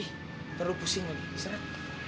nanti lu pusing lagi istirahat